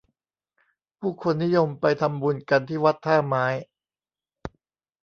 ผู้คนนิยมไปทำบุญกันที่วัดท่าไม้